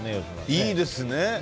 いいですね。